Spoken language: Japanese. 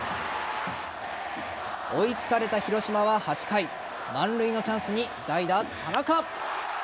追いつかれた広島は８回満塁のチャンスに代打・田中。